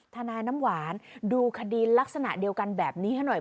นายน้ำหวานดูคดีลักษณะเดียวกันแบบนี้ให้หน่อย